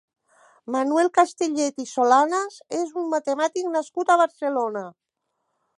Manuel Castellet i Solanas és un matemàtic nascut a Barcelona.